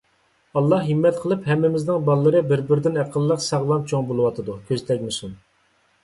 ئاللاھ ھىممەت قىلىپ، ھەممىمىزنىڭ بالىلىرى بىر-بىرىدىن ئەقىللىق، ساغلام چوڭ بولۇۋاتىدۇ. كۆز تەگمىسۇن.